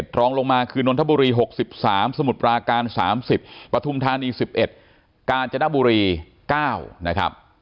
รองลงมาคือนนทบุรี๖๓สมุทรปราการ๓๐ปฐุมธานี๑๑กาญจนบุรี๙นะครับ